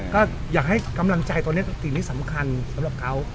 ก็อยากให้กำลังใจตอนนี้สิ่งที่สำคัญสำหรับเขา